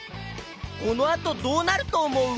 このあとどうなるとおもう？